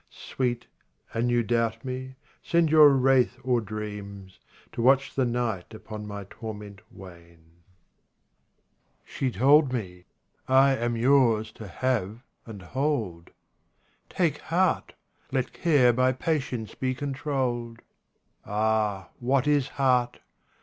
Sweet, an you doubt me, send your wraith dreams To watch the night upon my torment wane. 44 RUBAIYAT OF HAFIZ 20 She told me, "I am yours to have and hold. Take heart ! let care by patience be controlled." Ah, what is heart